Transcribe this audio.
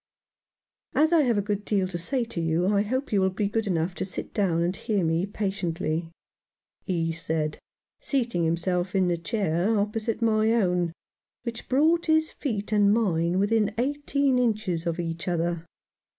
"As I have a good deal to say to you, I hope you will be good enough to sit down and hear me patiently," he said, seating himself in the chair opposite my own, which brought his feet and mine within eighteen inches of each other.